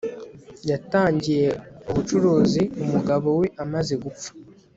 yatangiye ubucuruzi umugabo we amaze gupfa